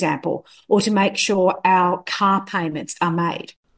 atau untuk memastikan uang uang kereta kita dibuat